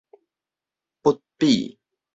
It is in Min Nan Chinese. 不比